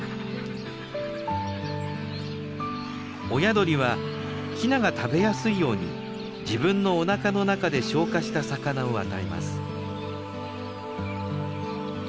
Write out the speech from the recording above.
親鳥はヒナが食べやすいように自分のおなかの中で消化した魚を与えます。